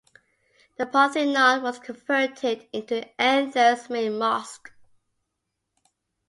The Parthenon was converted into Athens' main mosque.